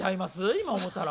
今思うたら。